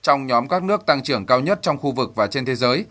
trong nhóm các nước tăng trưởng cao nhất trong khu vực và trên thế giới